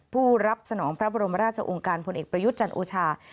ผู้รับสนองพระบรมราชองค์การพลเอกประยุทธ์จันทร์โอชา